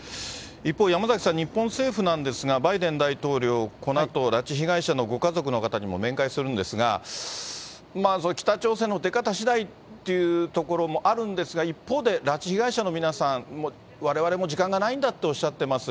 一方、山崎さん、日本政府なんですが、バイデン大統領、このあと、拉致被害者のご家族の方にも面会するんですが、北朝鮮の出方しだいっていうところもあるんですが、一方で、拉致被害者の皆さん、われわれも時間がないんだっておっしゃってます。